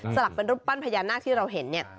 สลักคือรูปปั้นพญานาคที่เราเห็น